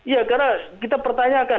ya karena kita pertanyakan